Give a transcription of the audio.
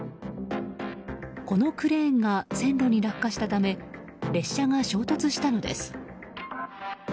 このクレーンが線路に落下したため列車が衝突したのです。